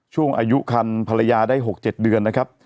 ช่วงอายุคันภรรยาได้๖๗เดือนนะครับ